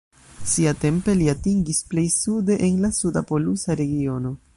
Siatempe, li atingis plej sude en la suda polusa regiono.